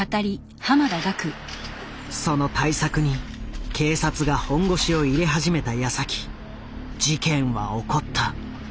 その対策に警察が本腰を入れ始めたやさき事件は起こった。